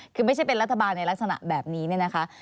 คือไม่ใช่เป็นรัฐบาลในลักษณะแบบนี้เนี่ยนะคะ